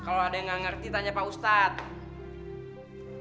kalau ada yang nggak ngerti tanya pak ustadz